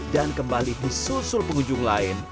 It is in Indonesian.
dan kembali di sul sul pengunjung lain